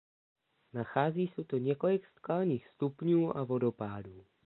Nachází se tu několik skalních stupňů a vodopádů.